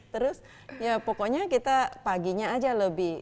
terus ya pokoknya kita paginya aja lebih